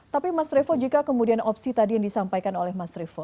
tapi mas revo jika kemudian opsi tadi yang disampaikan oleh mas revo